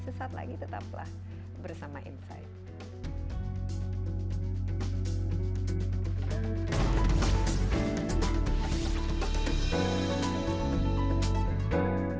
sesaat lagi tetaplah bersama insight